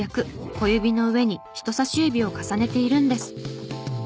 小指の上に人さし指を重ねているんです。